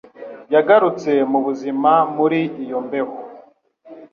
yagarutse mu buzima muri iyo mbeho.